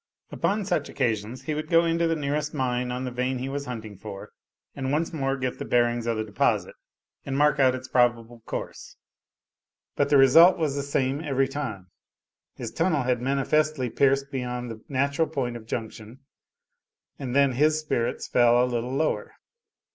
Upon such occasions he would go into the nearest mine on the vein he was hunting for, and once more get the bearings of the deposit and mark out its probable course; but the result was the same every time; his tunnel had manifestly pierced beyond the natural point of junction; and then his spirits fell a little lower.